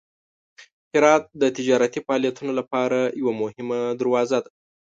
هرات د تجارتي فعالیتونو لپاره یوه مهمه دروازه ده.